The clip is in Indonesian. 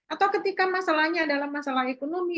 atau ketika masalahnya adalah masalah ekonomi